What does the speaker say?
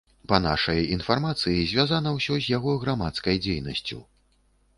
Па нашай інфармацыі, звязана ўсё з яго грамадскай дзейнасцю.